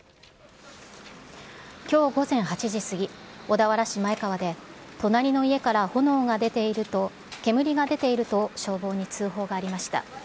きょう午前８時過ぎ、小田原市前川で、隣の家から炎が出ていると、煙が出ていると、消防に通報がありました。